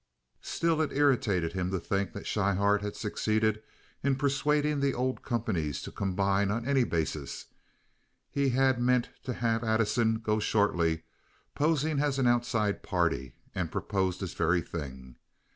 Still it irritated him to think that Schryhart had succeeded in persuading the old companies to combine on any basis; he had meant to have Addison go shortly, posing as an outside party, and propose this very thing.